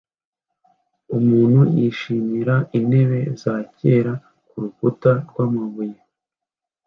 Umuntu yishimira intebe za kera kurukuta rwamabuye